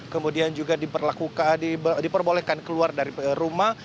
kemudian juga diperbolehkan keluar dari rumah